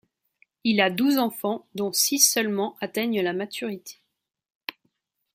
Il a douze enfants dont six seulement atteignent la maturité.